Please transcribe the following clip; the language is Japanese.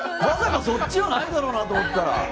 まさかそっちはないだろうなと思ったら。